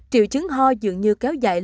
triệu chứng ho dường như kéo dài